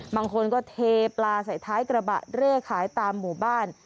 บางคนก็เทปลาใส่ท้ายกระบะเร่ขายตามหมู่บ้าน